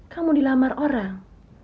kamu dilamar orang